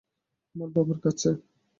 আমার বাবার কাছে।